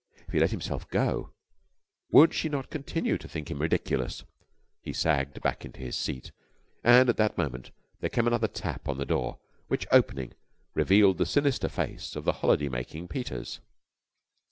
If he let himself go, would she not continue to think him ridiculous? He sagged back into his seat and at that moment there came another tap on the door which, opening, revealed the sinister face of the holiday making Peters.